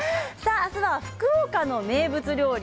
明日は福岡の名物料理